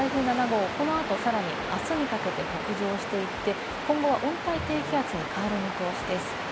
台風７号、この後さらにあすにかけて北上していって、今後は温帯低気圧に変わる見通しです。